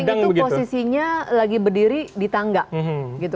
enggak giring itu posisinya lagi berdiri di tangga gitu